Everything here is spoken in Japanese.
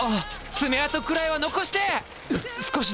爪痕くらいは残してえ！